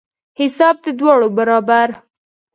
حساب د دواړو برابر.